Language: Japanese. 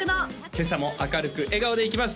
今朝も明るく笑顔でいきます